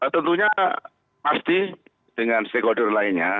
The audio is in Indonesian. tentunya pasti dengan stakeholder lainnya